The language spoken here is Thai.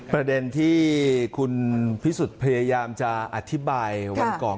ประเด็นที่คุณพิสุทธิ์พยายามจะอธิบายวันก่อน